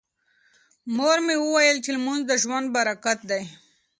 مور مې وویل چې لمونځ د ژوند برکت دی.